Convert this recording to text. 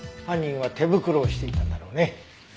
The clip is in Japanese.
犯人は手袋をしていたんだろうね。